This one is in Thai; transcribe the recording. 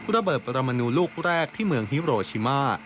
ระเบิดปรมนูลูกแรกที่เมืองฮิโรชิมา